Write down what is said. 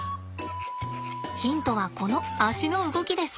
ヒントはこの足の動きです。